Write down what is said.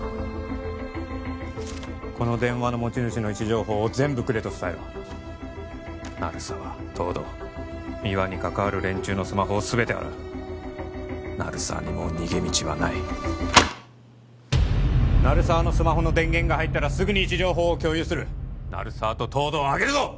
この電話の持ち主の位置情報を全部くれと伝えろ鳴沢東堂三輪に関わる連中のスマホを全て洗う鳴沢にもう逃げ道はない鳴沢のスマホの電源が入ったらすぐに位置情報を共有する鳴沢と東堂を挙げるぞ！